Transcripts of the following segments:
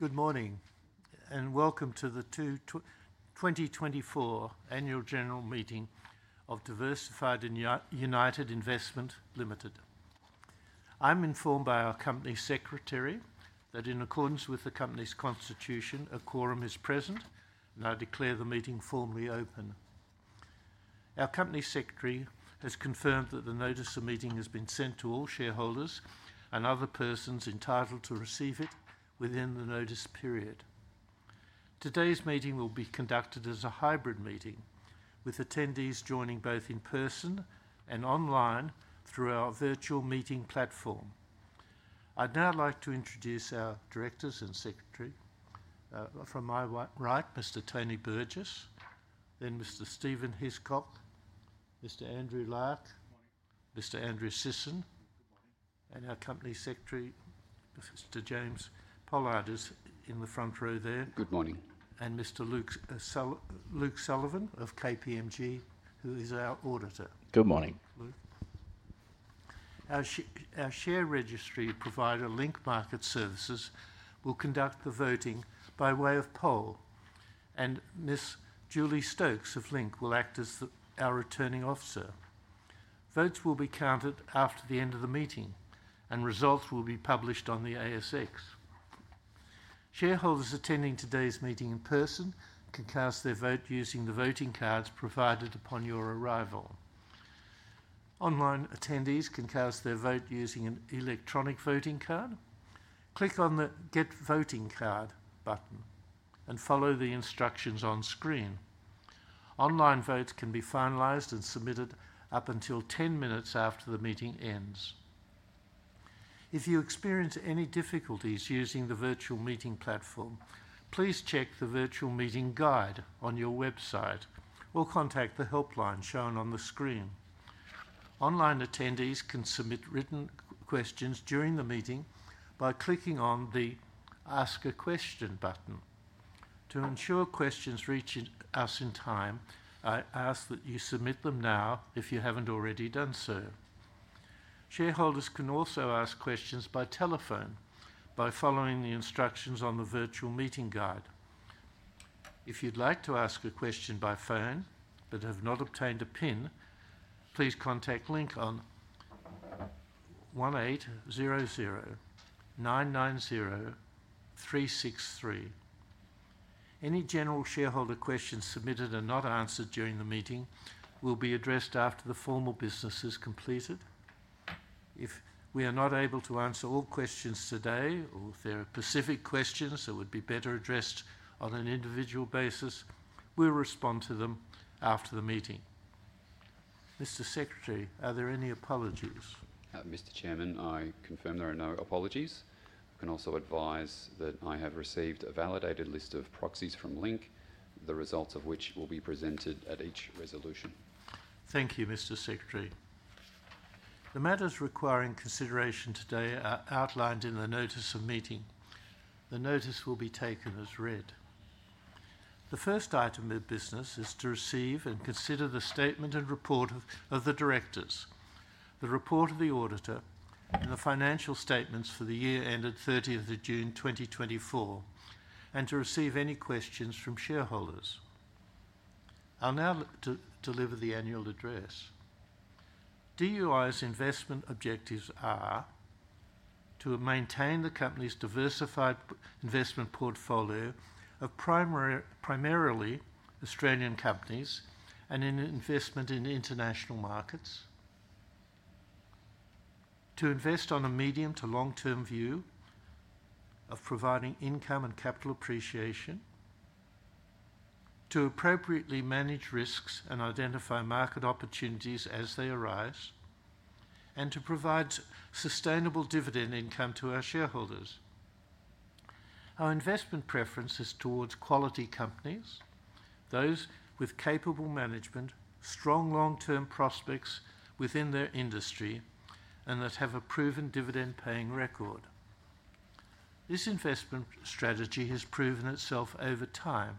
Good morning, and welcome to the 2024 Annual General Meeting of Diversified United Investment Limited. I'm informed by our company secretary that in accordance with the company's constitution, a quorum is present, and I declare the meeting formally open. Our company secretary has confirmed that the notice of meeting has been sent to all shareholders and other persons entitled to receive it within the notice period. Today's meeting will be conducted as a hybrid meeting, with attendees joining both in person and online through our virtual meeting platform. I'd now like to introduce our directors and secretary. From my right, Mr. Tony Burgess, then Mr. Stephen Hiscock, Mr. Andrew Larke. Morning. Mr. Andrew Sisson. Good morning. Our company secretary, Mr. James Pollard, is in the front row there. Good morning. Mr. Luke Sullivan of KPMG, who is our auditor. Good morning. Luke. Our share registry provider, Link Market Services, will conduct the voting by way of poll, and Ms. Julie Stokes of Link will act as our Returning Officer. Votes will be counted after the end of the meeting, and results will be published on the ASX. Shareholders attending today's meeting in person can cast their vote using the voting cards provided upon your arrival. Online attendees can cast their vote using an electronic voting card. Click on the Get Voting Card button and follow the instructions on screen. Online votes can be finalized and submitted up until 10 minutes after the meeting ends. If you experience any difficulties using the virtual meeting platform, please check the Virtual Meeting Guide on your website, or contact the helpline shown on the screen. Online attendees can submit written questions during the meeting by clicking on the Ask a Question button. To ensure questions reach us in time, I ask that you submit them now if you haven't already done so. Shareholders can also ask questions by telephone by following the instructions on the Virtual Meeting Guide. If you'd like to ask a question by phone but have not obtained a PIN, please contact Link on one eight zero zero nine nine zero three six three. Any general shareholder questions submitted and not answered during the meeting will be addressed after the formal business is completed. If we are not able to answer all questions today, or if there are specific questions that would be better addressed on an individual basis, we'll respond to them after the meeting. Mr. Secretary, are there any apologies? Mr. Chairman, I confirm there are no apologies. I can also advise that I have received a validated list of proxies from Link, the results of which will be presented at each resolution. Thank you, Mr. Secretary. The matters requiring consideration today are outlined in the notice of meeting. The notice will be taken as read. The first item of business is to receive and consider the statement and report of the directors, the report of the auditor, and the financial statements for the year ended thirtieth of June, 2024, and to receive any questions from shareholders. I'll now deliver the annual address. DUI's investment objectives are: to maintain the company's diversified investment portfolio of primarily Australian companies and an investment in international markets, to invest on a medium to long-term view of providing income and capital appreciation, to appropriately manage risks and identify market opportunities as they arise, and to provide sustainable dividend income to our shareholders. Our investment preference is towards quality companies, those with capable management, strong long-term prospects within their industry, and that have a proven dividend-paying record. This investment strategy has proven itself over time,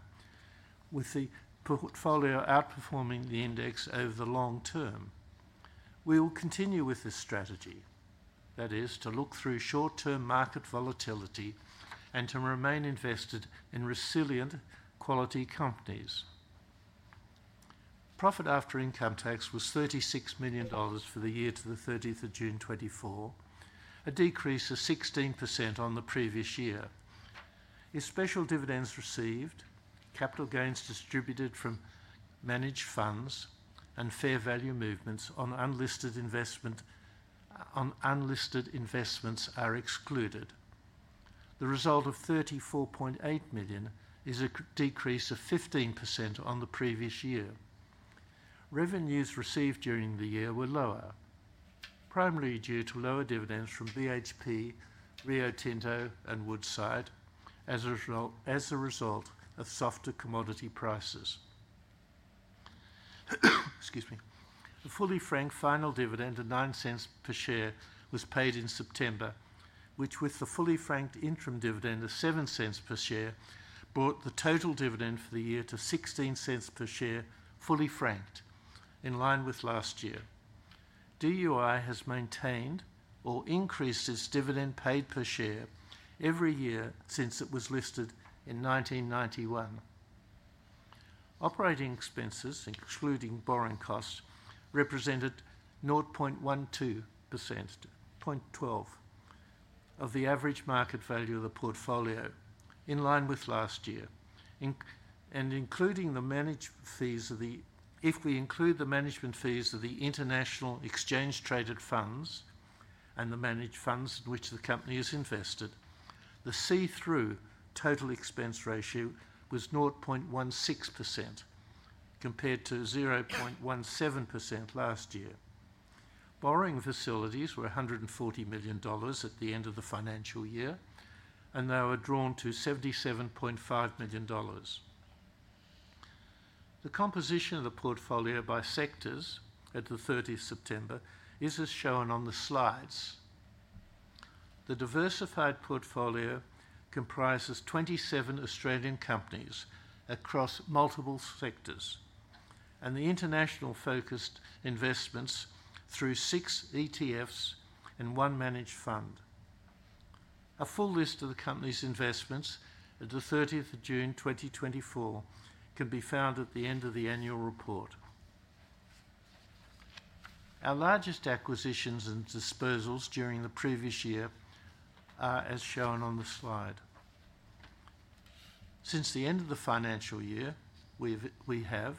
with the portfolio outperforming the index over the long term. We will continue with this strategy, that is, to look through short-term market volatility and to remain invested in resilient, quality companies. Profit after income tax was 36 million dollars for the year to the thirtieth of June 2024, a decrease of 16% on the previous year. If special dividends received, capital gains distributed from managed funds, and fair value movements on unlisted investment, on unlisted investments are excluded, the result of 34.8 million is a decrease of 15% on the previous year. Revenues received during the year were lower, primarily due to lower dividends from BHP, Rio Tinto, and Woodside as a result of softer commodity prices. Excuse me. A fully franked final dividend of 0.09 per share was paid in September, which, with the fully franked interim dividend of 0.07 per share, brought the total dividend for the year to 0.16 per share, fully franked, in line with last year... DUI has maintained or increased its dividend paid per share every year since it was listed in nineteen ninety-one. Operating expenses, excluding borrowing costs, represented 0.12% of the average market value of the portfolio, in line with last year. If we include the management fees of the international exchange-traded funds and the managed funds in which the company is invested, the see-through total expense ratio was 0.16%, compared to 0.17% last year. Borrowing facilities were 140 million dollars at the end of the financial year, and they were drawn to 77.5 million dollars. The composition of the portfolio by sectors at the thirtieth September is as shown on the slides. The diversified portfolio comprises 27 Australian companies across multiple sectors, and the international-focused investments through six ETFs and one managed fund. A full list of the company's investments at the thirtieth of June, 2024, can be found at the end of the annual report. Our largest acquisitions and disposals during the previous year are as shown on the slide. Since the end of the financial year, we have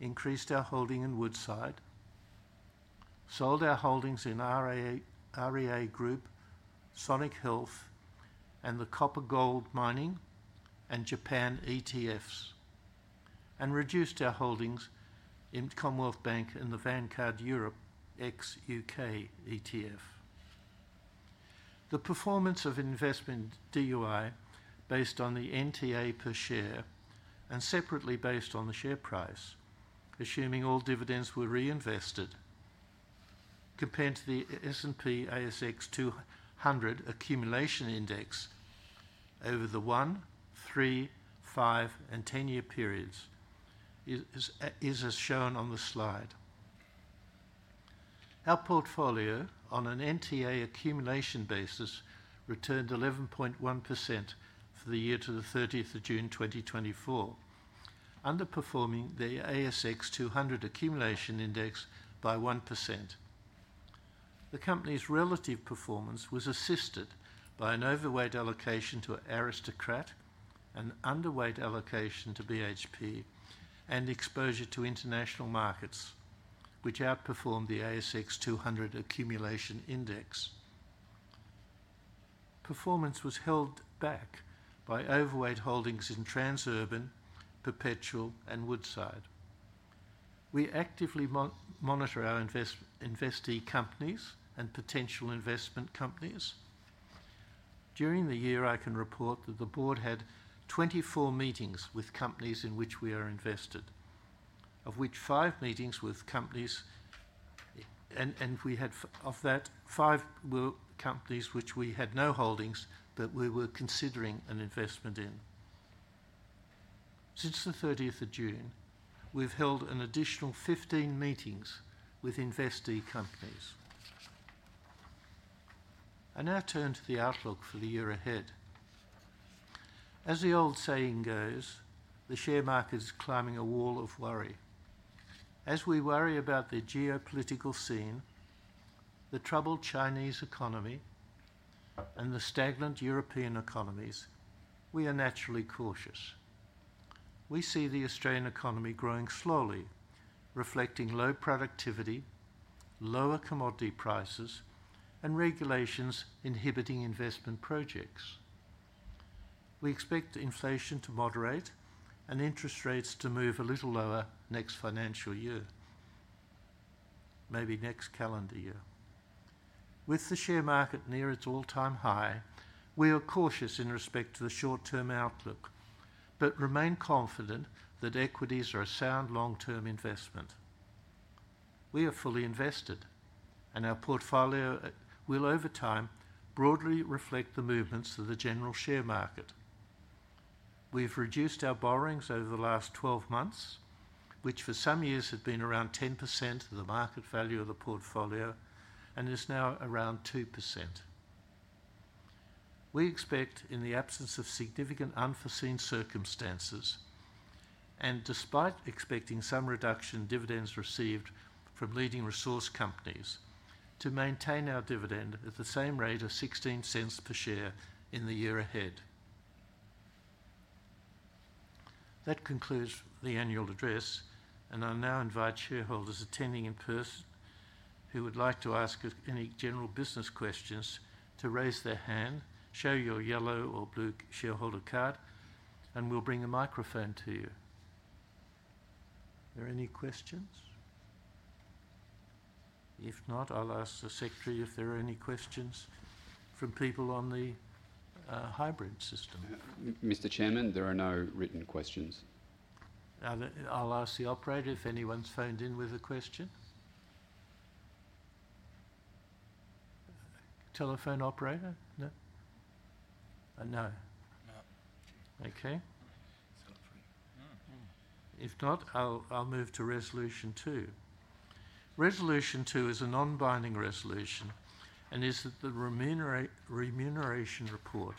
increased our holding in Woodside; sold our holdings in REA, REA Group, Sonic Health, and the Copper Gold Mining and Japan ETFs; and reduced our holdings in Commonwealth Bank and the Vanguard Europe ex-UK ETF. The performance of Investment DUI, based on the NTA per share, and separately based on the share price, assuming all dividends were reinvested, compared to the S&P/ASX 200 Accumulation Index over the one, three, five, and ten-year periods is as shown on the slide. Our portfolio, on an NTA accumulation basis, returned 11.1% for the year to the thirtieth of June, 2024, underperforming the ASX 200 Accumulation Index by 1%. The company's relative performance was assisted by an overweight allocation to Aristocrat, an underweight allocation to BHP, and exposure to international markets, which outperformed the ASX 200 Accumulation Index. Performance was held back by overweight holdings in Transurban, Perpetual, and Woodside. We actively monitor our investee companies and potential investment companies. During the year, I can report that the board had 24 meetings with companies in which we are invested, of which five were with companies which we had no holdings, but we were considering an investment in. Since the 30th of June, we've held an additional 15 meetings with investee companies. I now turn to the outlook for the year ahead. As the old saying goes: "The share market is climbing a wall of worry." As we worry about the geopolitical scene, the troubled Chinese economy, and the stagnant European economies, we are naturally cautious. We see the Australian economy growing slowly, reflecting low productivity, lower commodity prices, and regulations inhibiting investment projects. We expect inflation to moderate and interest rates to move a little lower next financial year, maybe next calendar year. With the share market near its all-time high, we are cautious in respect to the short-term outlook, but remain confident that equities are a sound long-term investment. We are fully invested, and our portfolio will, over time, broadly reflect the movements of the general share market. We've reduced our borrowings over the last twelve months, which for some years had been around 10% of the market value of the portfolio and is now around 2%. We expect, in the absence of significant unforeseen circumstances, and despite expecting some reduction in dividends received from leading resource companies, to maintain our dividend at the same rate of 0.16 per share in the year ahead. That concludes the annual address, and I'll now invite shareholders attending in person who would like to ask us any general business questions to raise their hand, show your yellow or blue shareholder card, and we'll bring a microphone to you. Are there any questions? If not, I'll ask the secretary if there are any questions from people on the hybrid system. Mr. Chairman, there are no written questions. I'll ask the operator if anyone's phoned in with a question. Telephone operator? No. No. Okay. If not, I'll move to Resolution two. Resolution two is a non-binding resolution, and is that the remuneration report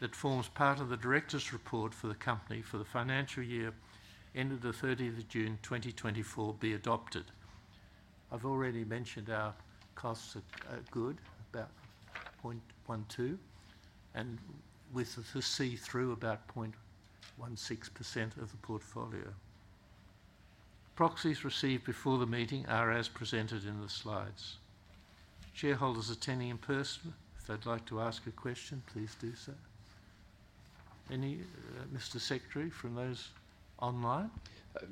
that forms part of the directors' report for the company for the financial year ended the thirtieth of June 2024 be adopted. I've already mentioned our costs are good, about 0.12%, and with the see-through about 0.16% of the portfolio. Proxies received before the meeting are as presented in the slides. Shareholders attending in person, if they'd like to ask a question, please do so. Any, Mr. Secretary, from those online?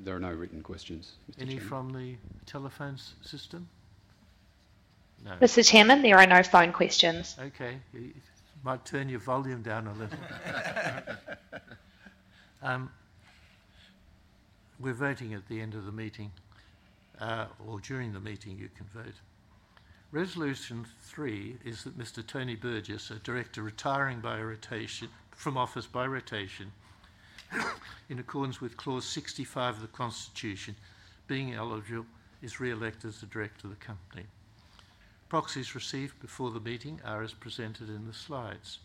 There are no written questions, Mr. Chairman. Any from the telephone system? No. Mr. Chairman, there are no phone questions. Okay. You might turn your volume down a little. We're voting at the end of the meeting, or during the meeting you can vote. Resolution three is that Mr. Tony Burgess, a director retiring from office by rotation, in accordance with Clause sixty-five of the Constitution, being eligible, is re-elected as the director of the company. Proxies received before the meeting are as presented in the slides.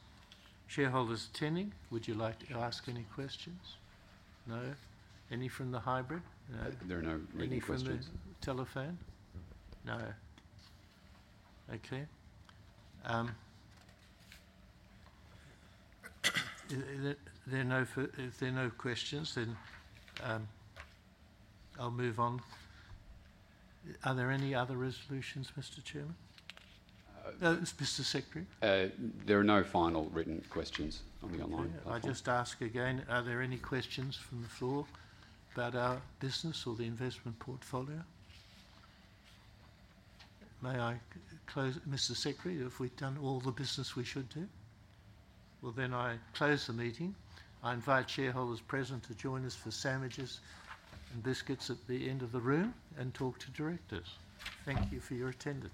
Shareholders attending, would you like to ask any questions? No. Any from the hybrid? No. There are no written questions. Any from the telephone? No. No. Okay. If there are no questions, then, I'll move on. Are there any other resolutions, Mr. Chairman? Uh- Mr. Secretary? There are no final written questions on the online platform. I'll just ask again, are there any questions from the floor about our business or the investment portfolio? May I close, Mr. Secretary, if we've done all the business we should do? Well, then I close the meeting. I invite shareholders present to join us for sandwiches and biscuits at the end of the room, and talk to directors. Thank you for your attendance.